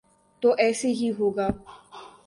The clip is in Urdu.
تو ایسے ہی ہوگا۔